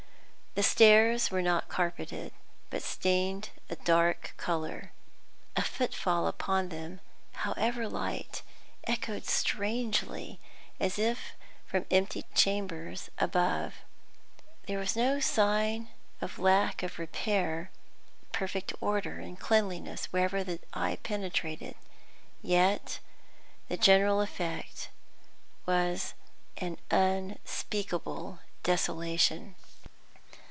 The stairs were not carpeted, but stained a dark colour; a footfall upon them, however light, echoed strangely as if from empty chambers above. There was no sign of lack of repair; perfect order and cleanliness wherever the eye penetrated; yet the general effect was an unspeakable desolation.